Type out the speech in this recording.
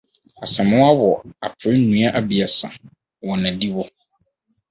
Asamoa wɔ apre nnua abiesa wɔ n' adiwo.